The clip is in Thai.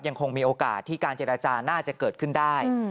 ยังคงมีโอกาสที่การเจรจาน่าจะเกิดขึ้นได้